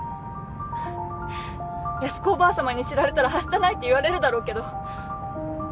八寿子おばあさまに知られたらはしたないって言われるだろうけど私には無理。